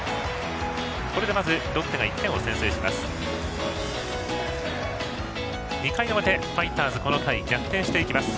これでまずロッテが１点を先制します。